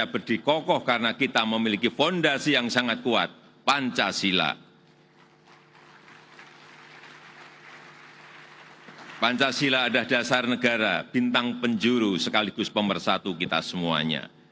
pancasila adalah dasar negara bintang penjuru sekaligus pemersatu kita semuanya